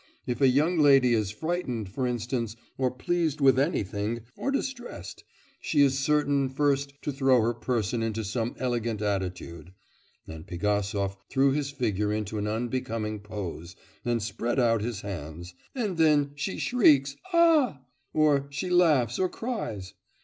If a young lady is frightened, for instance, or pleased with anything, or distressed, she is certain first to throw her person into some such elegant attitude (and Pigasov threw his figure into an unbecoming pose and spread out his hands) and then she shrieks ah! or she laughs or cries.